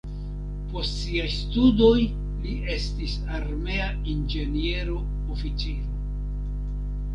Post siaj studoj li estis armea inĝeniero-oficiro.